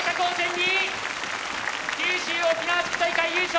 Ｂ九州沖縄地区大会優勝。